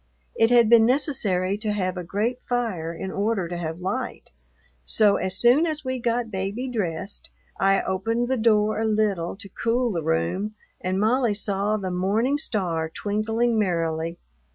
It had been necessary to have a great fire in order to have light, so as soon as we got Baby dressed I opened the door a little to cool the room and Molly saw the morning star twinkling merrily.